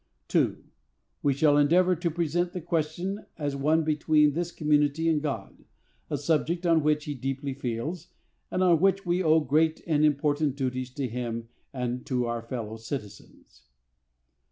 2. We shall endeavor to present the question as one between this community and God,—a subject on which He deeply feels, and on which we owe great and important duties to Him and to our fellow citizens.